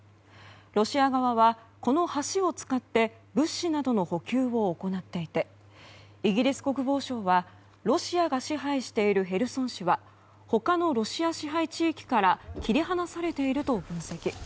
ロシア側はこの橋を使って物資などの補給を行っていてイギリス国防省はロシアが支配しているへルソン市は他のロシア支配地域から切り離されていると分析。